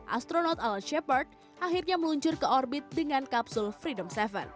astronot ala shapeard akhirnya meluncur ke orbit dengan kapsul freedom tujuh